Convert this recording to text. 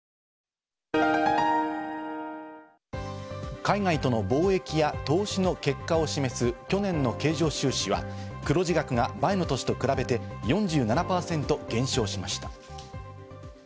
海外との貿易や投資の結果を示す去年の経常収支は、黒字額が前の年と比べて、４７％減少しました。